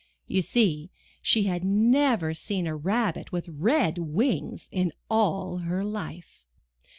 You see she had never seen a rabbit with red wings in all her life.